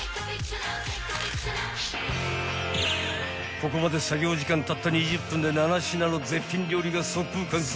［ここまで作業時間たった２０分で７品の絶品料理が速攻完成］